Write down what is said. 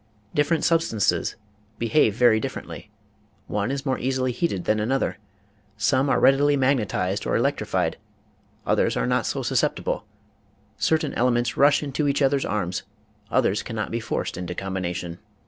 Different substances behave very differently; one is more easily MECHANICAL VS. MATHEMATICAL MINDS 91 heated than another; some are readily magnetized or electrified, others are not so susceptible; certain ele ments rush into each others' arms, others cannot be forced into combination.